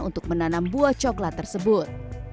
untuk menanam buah coklat tersebut